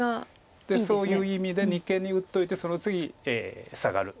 そういう意味で二間に打っといてその次サガる。